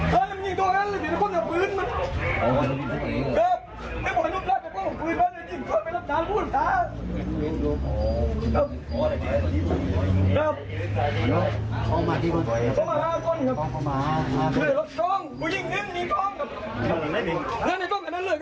ที่เลยฮะ